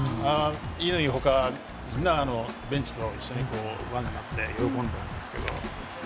乾ほか、みんなベンチと一緒に輪になって喜んでたんですけど。